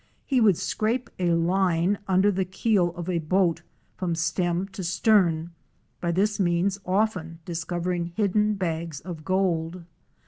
He would scrape a line under the keel of a boat from stem to stern, by this means often discovering hidden bags of gold.